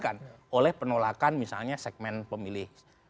dari penolakan misalnya segmen pemilih